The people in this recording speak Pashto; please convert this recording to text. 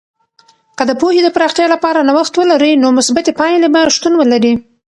که د پوهې د پراختیا لپاره نوښت ولرئ، نو مثبتې پایلې به شتون ولري.